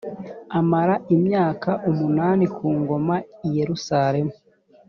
amara imyaka umunani ku ngoma i yerusalemu